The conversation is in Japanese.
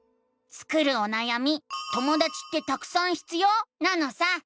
スクるおなやみ「ともだちってたくさん必要？」なのさ！